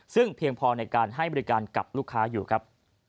ซึ่งเพียงพอในการให้บริการกับลูกค้าอยู่ครับ